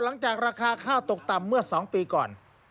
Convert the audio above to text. หลังจากราคาข้าวตกต่ำเมื่อ๒ปีก่อน